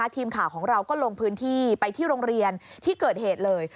ทีมข่าวของเราก็ลงพื้นที่ไปที่โรงเรียนที่เกิดเหตุเลย